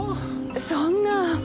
そんな。